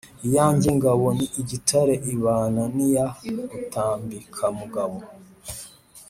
Iyanjye ngabo ni igitare ibana n'iya Rutambikamugabo